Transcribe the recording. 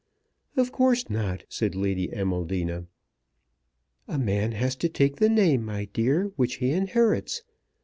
"Of course not," said Lady Amaldina. "A man has to take the name, my dear, which he inherits.